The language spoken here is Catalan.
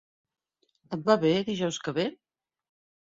Et va bé, dijous que ve?